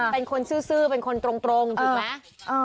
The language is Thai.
เป็นคนซื่อเป็นคนตรงถูกไหม